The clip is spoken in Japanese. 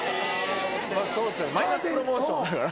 そうですよマイナスプロモーションだから。